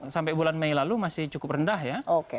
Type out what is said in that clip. sampai bulan mei lalu masih cukup rendah ya